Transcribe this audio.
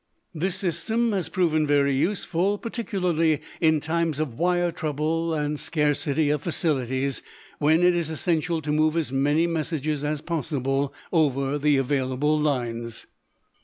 This system has proven very useful, particularly in times of wire trouble and scarcity of facilities, when it is essential to move as many messages as possible over the available lines.